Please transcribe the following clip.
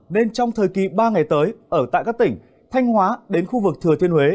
nên trong thời kỳ ba ngày tới ở tại các tỉnh thanh hóa đến khu vực thừa thiên huế